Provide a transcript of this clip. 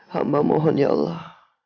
hamba mohon ya allah